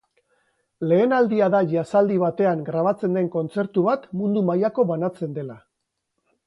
Lehen aldia da jazzaldi batean grabatzen den kontzertu bat mundu mailako banatzen dela.